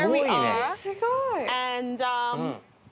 すごいね。